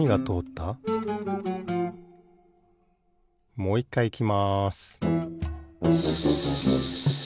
もういっかいいきます